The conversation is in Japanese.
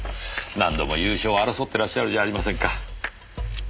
何度も優勝を争ってらっしゃるじゃありませんか。